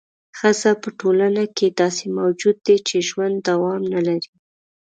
ښځه په ټولنه کې داسې موجود دی چې ژوند دوام نه لري.